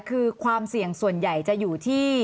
คือความเสี่ยงส่วนใหญ่จะอยู่ที่